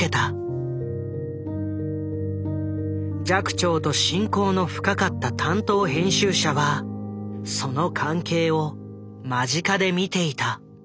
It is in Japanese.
寂聴と親交の深かった担当編集者はその関係を間近で見ていた。